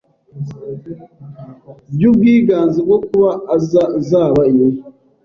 by’ubwiganze bwo kuba zaba inzungu